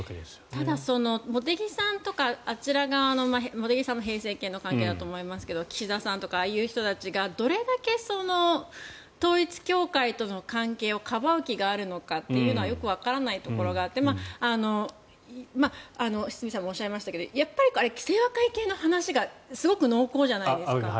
ただ、茂木さんとかあちら側の茂木さんも平成研の関係だと思いますが岸田さんとか、ああいう人たちがどれだけ統一教会との関係をかばう気があるのかというのはよくわからないところがあって堤さんもおっしゃいましたが清和会系の話がすごく濃厚じゃないですか。